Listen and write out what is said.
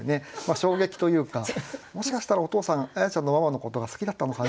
衝撃というか「もしかしたらお父さんあやちゃんのママのことが好きだったのかな」みたいなね